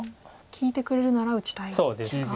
利いてくれるなら打ちたいですか？